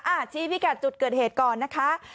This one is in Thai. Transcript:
ชี้พิกัดจุดเกิดเหตุก่อนนะคะ